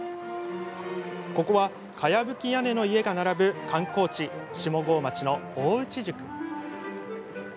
ここはかやぶき屋根の家が並ぶ観光地の下郷町の大内宿。